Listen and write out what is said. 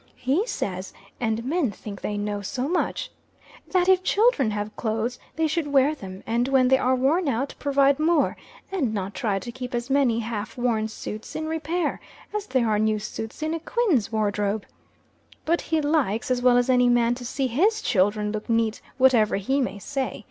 He says and men think they know so much that if children have clothes they should wear them; and when they are worn out, provide more, and not try to keep as many half worn suits in repair, as there are new suits in a queen's wardrobe. But he likes, as well as any man, to see his children look neat, whatever he may say.